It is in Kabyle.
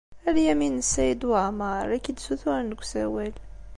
A Lyamin n Saɛid Waɛmeṛ, la k-id-ssuturen deg usawal.